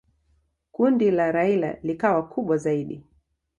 Kundi la Raila likawa kubwa zaidi.